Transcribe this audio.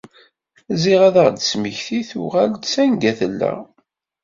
Ziɣ ad aɣ-d-tettmekti tuɣal-d sanga tella.